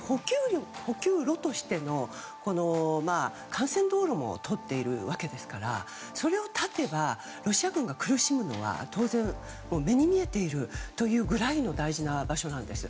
補給路としての幹線道路も通っているわけですからそれを断てばロシア軍が苦しむのは目に見えているというぐらいの大事な場所なんです。